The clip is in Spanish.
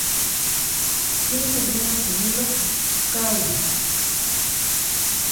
Tiene un hermano gemelo, Kaoru.